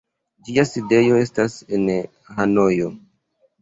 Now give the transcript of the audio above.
Ĝia sidejo estas en Hanojo.